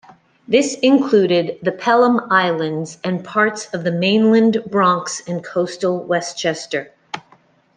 This included the Pelham Islands and parts of the mainland Bronx and coastal Westchester.